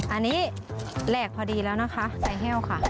อันนี้แหลกพอดีแล้วนะคะใส่แห้วค่ะ